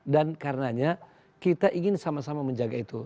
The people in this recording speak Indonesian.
dan karenanya kita ingin sama sama menjaga itu